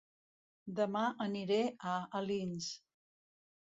Dema aniré a Alins